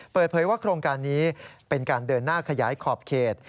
เปิดเผยว่าโครงการนี้เป็นการเดินหน้าขยายขอบเขต